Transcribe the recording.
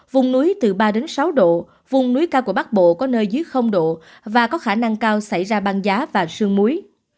vùng núi từ ba đến sáu độ vùng núi cao của bắc bộ có nơi dưới độ và có khả năng cao xảy ra băng giá và sương muối